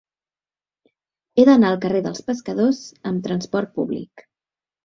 He d'anar al carrer dels Pescadors amb trasport públic.